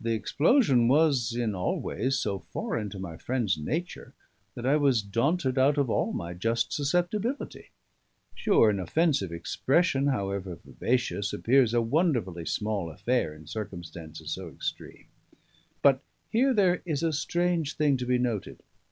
The explosion was in all ways so foreign to my friend's nature that I was daunted out of all my just susceptibility. Sure, an offensive expression, however vivacious, appears a wonderfully small affair in circumstances so extreme! But here there is a strange thing to be noted.